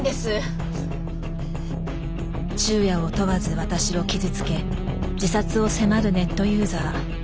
昼夜を問わず私を傷つけ自殺を迫るネットユーザー。